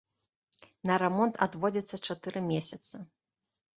На рамонт адводзіцца чатыры месяцы.